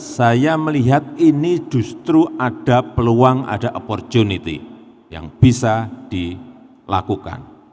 sehingga peluang ada opportunity yang bisa dilakukan